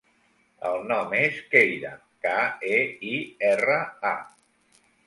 El nom és Keira: ca, e, i, erra, a.